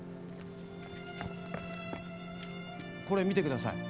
これ見てください。